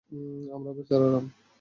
আমার বেচারা রাম!